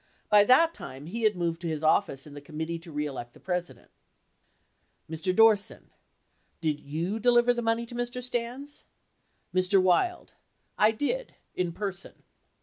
By that time, he had moved to his office in the Committee To Re Elect the President. Mr. Dorset*. Did you deliver the money to Mr. Stans ? Mr. Wild. I did, in person.